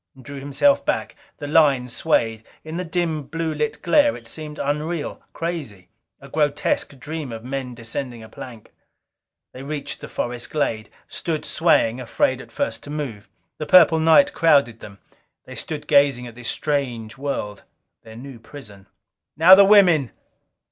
Drew himself back. The line swayed. In the dim, blue lit glare it seemed unreal, crazy. A grotesque dream of men descending a plank. They reached the forest glade. Stood swaying, afraid at first to move. The purple night crowded them; they stood gazing at this strange world, their new prison. "Now the women."